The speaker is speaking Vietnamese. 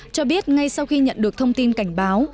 cho biết ngay sau khi nhận được thông tin cảnh báo